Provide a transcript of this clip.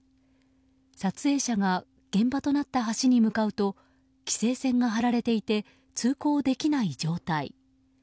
撮影者が現場となった橋に向かうと規制線が張られていて通行できない状態。